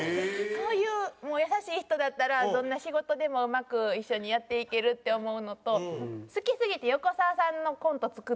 こういう優しい人だったらどんな仕事でもうまく一緒にやっていけるって思うのと好きすぎて横澤さんのコント作ったりしてたんですよ。